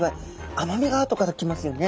甘みがあとから来ますよね。